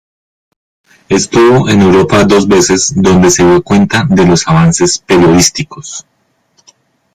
Estuvo en Europa dos veces donde se dio cuenta de los avances periodísticos.